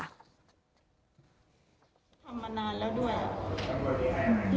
ทำมานานแล้วด้วยอ่ะ